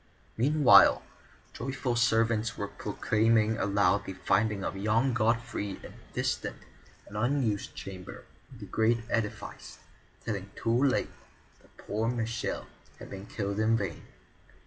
Meanwhile joyful servants were proclaiming aloud the finding of young Godfrey in a distant and unused chamber of the great edifice, telling too late that poor Michel had been killed in vain.